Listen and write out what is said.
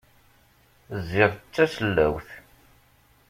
Ziɣ tasellawt.